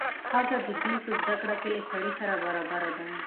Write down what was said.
ښځه د دین په زده کړه کې له سړي سره برابره ده.